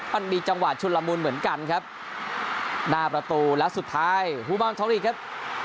มันมีจังหวะชุดละมุนเหมือนกันครับหน้าประตูและสุดท้ายครับ